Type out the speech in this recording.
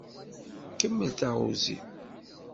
Kemmel taɣuzi.